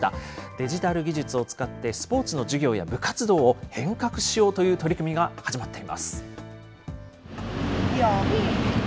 デジタル技術を使って、スポーツの授業や部活動を変革しようという取り組みが始まっています。